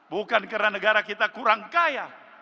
bukan karena negara kita kurang kaya